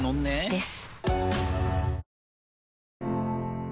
です。